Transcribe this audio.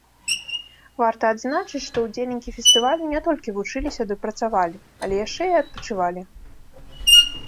Варта адзначыць, што ўдзельнікі фестывалю не толькі вучыліся ды працавалі, але яшчэ і адпачывалі.